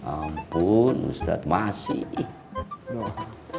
ampun ustadz masih